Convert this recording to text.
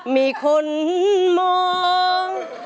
มีคนมอง